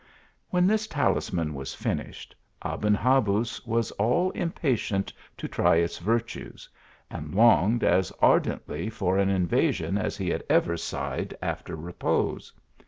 When this talisman was finished, Aben Habuz was all impatient to try its virtues ; and longed as ardently for an invasion as he had ever sighed after repose.